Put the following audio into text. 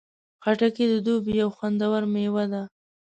خټکی د دوبی یو خوندور میوه ده.